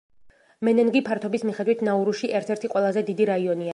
მენენგი ფართობის მიხედვით ნაურუში ერთ-ერთი ყველაზე დიდი რაიონია.